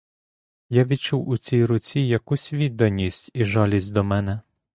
Я відчув у цій руці якусь відданість і жалість до мене.